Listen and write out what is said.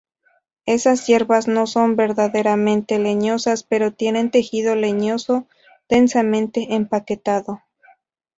Esas hierbas no son verdaderamente leñosas, pero tienen tejido leñoso densamente empaquetado.